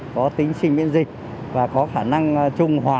có tính sinh miễn dịch và có khả năng trung hòa